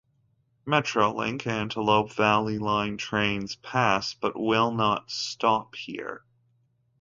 Metrolink Antelope Valley Line trains pass but will not stop here.